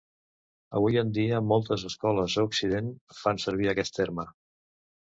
Avui en dia moltes escoles a occident fan servir aquest terme.